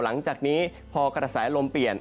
หลังจากนี้พอกระแสลมเปลี่ยน